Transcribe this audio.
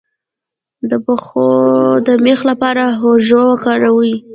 د پښو د میخ لپاره هوږه وکاروئ